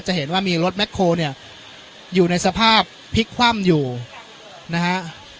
เห็นว่ามีรถแคลเนี่ยอยู่ในสภาพพลิกคว่ำอยู่นะฮะ